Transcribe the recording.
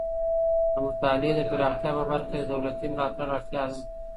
د مطالعې د پراختیا په برخه کې د دولتي ملاتړ اړتیا ده.